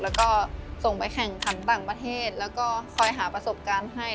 แล้วก็ส่งไปแข่งขันต่างประเทศแล้วก็คอยหาประสบการณ์ให้